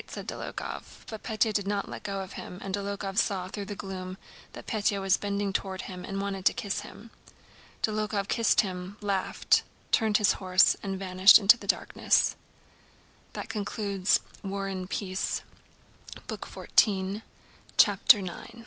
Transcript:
said Dólokhov. But Pétya did not let go of him and Dólokhov saw through the gloom that Pétya was bending toward him and wanted to kiss him. Dólokhov kissed him, laughed, turned his horse, and vanished into the darkness. CHAPTER X Having returned to the watchman's hut, Pétya found Dení